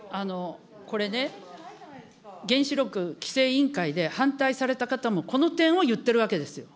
これね、原子力規制委員会で反対された方も、この点を言ってるわけですよ。